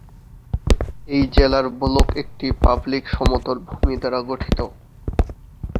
এই জেলার ব্লক একটি পাললিক সমতল ভূমি দ্বারা গঠিত।